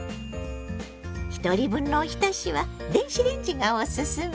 ひとり分のおひたしは電子レンジがオススメよ。